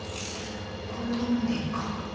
こんなもんでいっか。